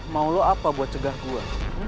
mau lo apa buat cegah gue